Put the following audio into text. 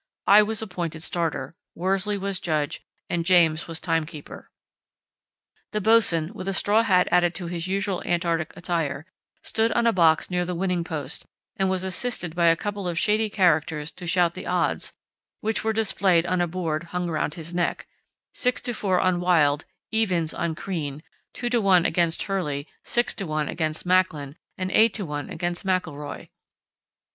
I was appointed starter, Worsley was judge, and James was timekeeper. The bos'n, with a straw hat added to his usual Antarctic attire, stood on a box near the winning post, and was assisted by a couple of shady characters to shout the odds, which were displayed on a board hung around his neck—6 to 4 on Wild, "evens" on Crean, 2 to 1 against Hurley, 6 to 1 against Macklin, and 8 to 1 against McIlroy.